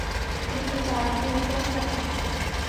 দুঃখিত আপনি এতো একা।